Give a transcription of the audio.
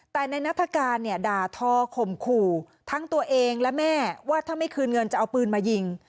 แต่ในนัฐกาลเนี่ยด่าทอข่มขู่ทั้งตัวเองและแม่ว่าถ้าไม่คืนเงินจะเอาปืนมายิง